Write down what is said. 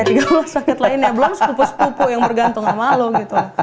iya tiga belas paket lainnya belum sepupu sepupu yang bergantung sama lo gitu